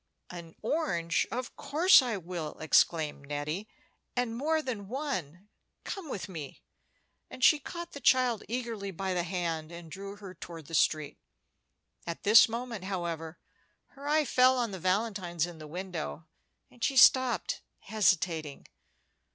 "An orange! of course I will," exclaimed Nettie; "and more than one. Come with me;" and she caught the child eagerly by the hand, and drew her toward the street. At this moment, however, her eye fell on the valentines in the window, and she stopped, hesitating.